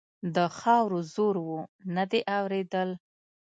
د خاورو زور و؛ نه دې اورېدل.